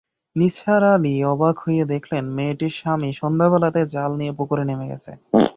নিসার আলি অবাক হয়ে দেখলেন, মেয়েটির স্বামী সন্ধ্যাবেলাতেই জাল নিয়ে পুকুরে নেমে গেছে।